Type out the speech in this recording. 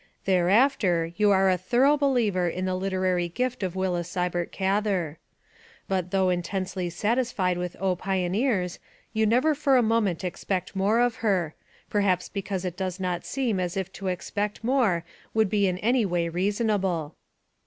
Thereafter you are a thorough be 254 WILLA SIBERT GATHER 255 licver in the literary gift of Willa Sibert Gather. But though intensely satisfied with O Pioneers! you never for a moment expect more of her perhaps because it does not seem as if to expect more would be in any way reasonable.